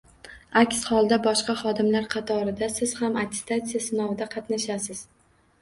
Aks holda, boshqa xodimlar qatorida siz ham attestatsiya sinovida qatnashasiz